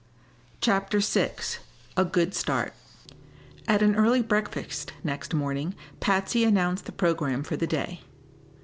CHAPTER VI A GOOD START At an early breakfast next morning Patsy announced the program for the day.